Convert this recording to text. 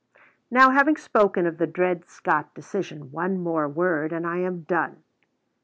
Now, having spoken of the Dred Scott decision, one more word and I am done.